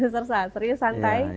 sersan serius santai